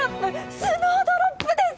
スノードロップです！